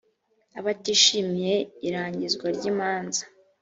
abatishimiye irangizwa ry imanza